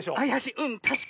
うんたしかに！